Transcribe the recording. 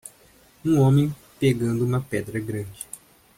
Um homem pegando uma pedra grande.